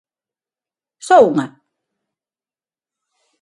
Só unha?